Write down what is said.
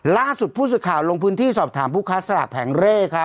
ล่าสุดพู้สึกข่าวลงพื้นที่สอบถามผู้ค้าสลากแข็งเล่